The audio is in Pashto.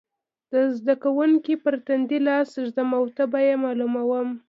د زده کوونکي پر تندې لاس ږدم او تبه یې معلوموم.